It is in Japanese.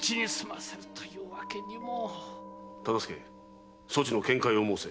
忠相そちの見解を申せ。